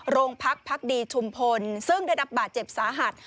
โรงพักพักดีชุมพลซึ่งได้รับบาดเจ็บสาหัส